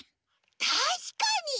たしかに！